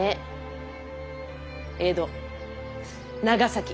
江戸長崎。